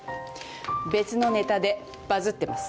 別のネタでバズってます。